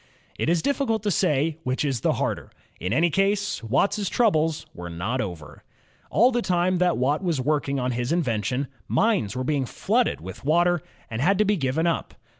It is difficult to say which is the harder. In any case. Watt's troubles were not over. All the time that Watt was working on his invention, mines were being flooded with water and had to be given up.